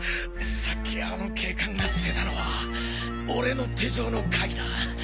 さっきあの警官が捨てたのは俺の手錠の鍵だ。